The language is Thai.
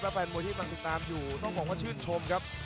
แฟนมวยที่กำลังติดตามอยู่ต้องบอกว่าชื่นชมครับ